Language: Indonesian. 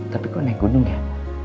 tapi kok naik gunung ya